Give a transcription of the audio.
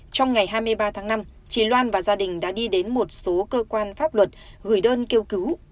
trong ngày hai mươi ba tháng năm chị loan và gia đình đã đi đến một số cơ quan pháp luật gửi đơn kêu cứu